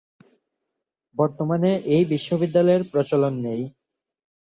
বর্তমানে এই বিশ্ববিদ্যালয়ের প্রচলন নেই।